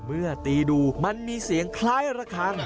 เมื่อตีดูมันมีเสียงคล้ายระคัง